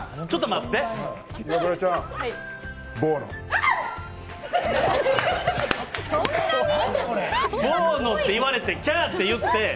ちょっと待って。